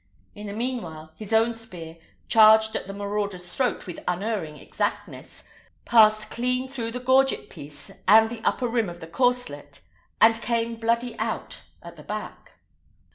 In the mean while, his own spear, charged at the marauder's throat with unerring exactness, passed clean through the gorget piece and the upper rim of the corslet, and came bloody out at the back.